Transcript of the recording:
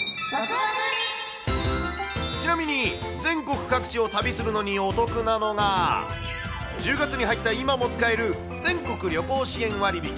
ちなみに、全国各地を旅するのにお得なのが、１０月に入った今も使える全国旅行支援割引。